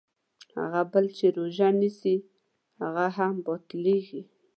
هغه بل چې روژه نیسي هغه هم باطلېږي.